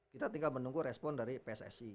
kita tinggal menunggu respon dari pssi